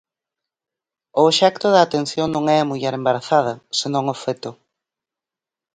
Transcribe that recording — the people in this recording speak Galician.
O obxecto da atención non é a muller embarazada, senón o feto.